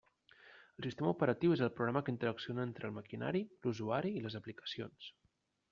El sistema operatiu és el programa que interacciona entre el maquinari, l'usuari i les aplicacions.